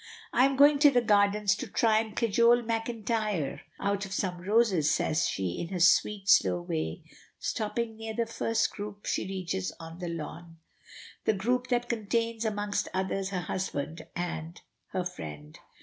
"I am going to the gardens to try and cajole McIntyre out of some roses," says she, in her sweet, slow way, stopping near the first group she reaches on the lawn the group that contains, amongst others, her husband, and her friend.